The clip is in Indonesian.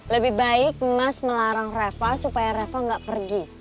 lebih baik emas melarang reva supaya reva gak pergi